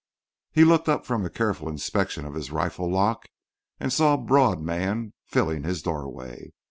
He looked up from a careful inspection of his rifle lock and saw a broad man filling his doorway.